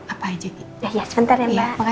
apa aja sebentar ya mbak